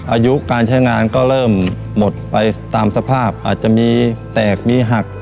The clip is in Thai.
อายุการใช้งานก็เริ่มหมดไปตามสภาพอาจจะมีแตกมีหัก